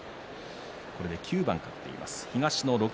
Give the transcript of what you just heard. これで９番勝っています。